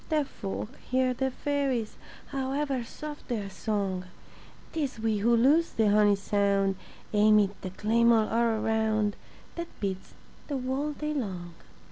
Deaf folk hear the fairies, However soft their song; Tis we who lose the honey sound Amid the clamor all around That beats the whole day long.